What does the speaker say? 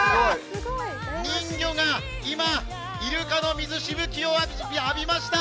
人魚が今、イルカの水しぶきを浴びました。